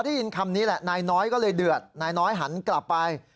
ได้ยินคำนี้แหละนายน้อยก็เลยเดือดนายน้อยหันกลับไป